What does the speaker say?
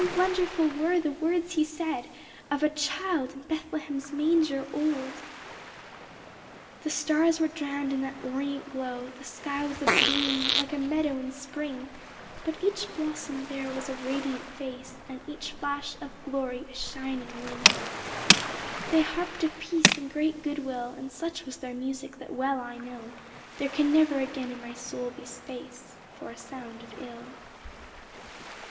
wonderful were the words he said ŌĆö Of a Child in Bethlehem's manger old. The stars were drowned in that orient glow ; The sky was abloom like a meadow in spring; But each blossom there was a radiant face And each flash of glory a shining wing; They harped of peace and great good will, And such was their music that well I know There can never again in my soul be space For a sound of ill.